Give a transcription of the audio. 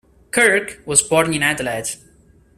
Kirk was born in Adelaide.